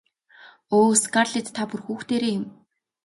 Өө Скарлетт та бүр хүүхдээрээ юм.